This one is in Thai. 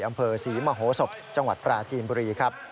อำเภอศรีมโหศพจังหวัดปราจีนบุรีครับ